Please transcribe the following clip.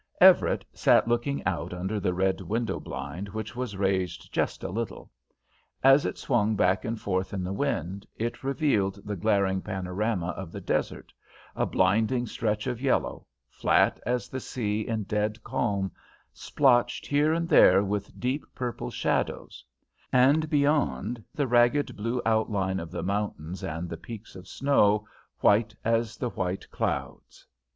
Everett sat looking out under the red window blind which was raised just a little. As it swung back and forth in the wind it revealed the glaring panorama of the desert a blinding stretch of yellow, flat as the sea in dead calm, splotched here and there with deep purple shadows; and, beyond, the ragged blue outline of the mountains and the peaks of snow, white as the white clouds.